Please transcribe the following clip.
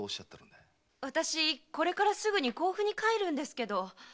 私これからすぐに甲府に帰るんですけど。